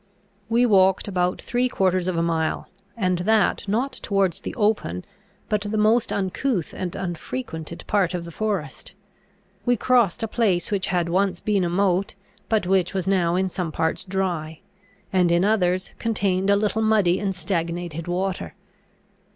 We walked about three quarters of a mile, and that not towards the open, but the most uncouth and unfrequented part of the forest. We crossed a place which had once been a moat, but which was now in some parts dry, and in others contained a little muddy and stagnated water.